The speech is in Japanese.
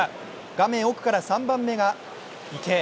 画面奥から３番目が池江。